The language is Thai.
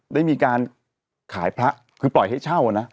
ได้มีการขายพระคือปล่อยให้เช่านะ